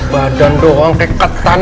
badan doang keketan